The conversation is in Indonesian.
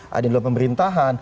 ada yang di dalam pemerintahan